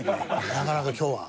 なかなか今日は。